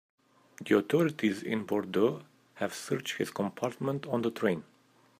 The authorities in Bordeaux have searched his compartment on the train.